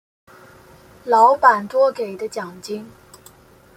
老板多给的奖金